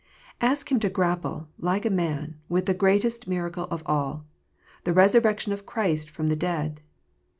Ask him to grapple, like a man, with the greatest miracle of all, the resurrection of Christ from the dead.